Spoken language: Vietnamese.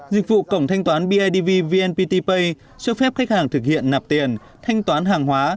dịch vụ cổng thanh toán bidv vnpt pay cho phép khách hàng thực hiện nạp tiền thanh toán hàng hóa